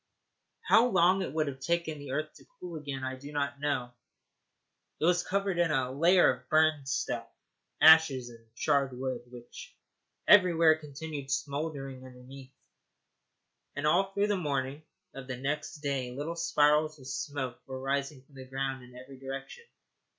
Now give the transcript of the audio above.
How long it would have taken the earth to cool again I do not know. It was covered with a layer of burned stuff, ashes, and charred wood, which everywhere continued smouldering underneath, and all through the morning of the next day little spirals of smoke were rising from the ground in every direction.